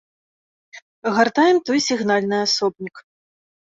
Гартаем той сігнальны асобнік.